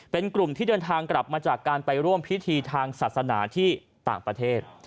เป็นกลุ่มที่เดินทางกลับมาจากการไปร่วมพิธีทางศาสนาที่ต่างประเทศ